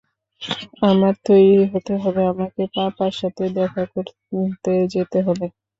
আমার তৈরি হতে হবে আমাকে পাপার সাথে দেখা করতে যেতে হবে।